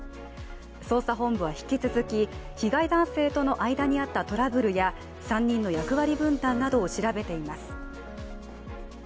捜査本部は引き続き被害男性との間にあったトラブルや３人の役割分担などを調べています。